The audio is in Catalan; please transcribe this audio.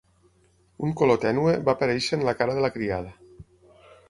Un color tènue va aparèixer en la cara de la criada.